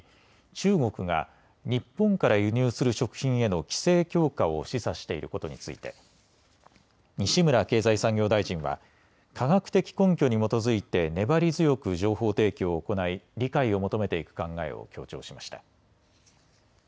中国が日本から輸入する食品への規制強化を示唆していることについて西村経済産業大臣は科学的根拠に基づいて粘り強く情報提供を行い理解を求めていく考えを強調しました。